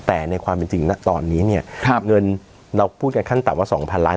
แต่ในความจริงตอนนี้เนี่ยเงินเราพูดกันขั้นต่ำว่า๒๐๐๐๐๐๐บาท